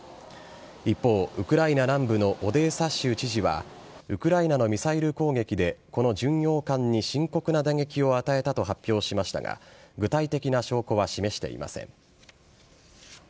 一方、ウクライナ南部のオデーサ州知事はウクライナのミサイル攻撃でこの巡洋艦に深刻な打撃を与えたと発表しましたが具体的な証拠は示していません。